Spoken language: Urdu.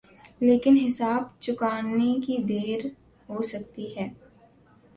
لیکن حساب چکانے کی دیر ہو سکتی ہے۔